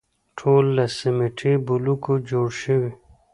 ټول له سیمټي بلوکو جوړ شوي.